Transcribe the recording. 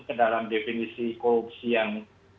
ke dalam definisi korupsi yang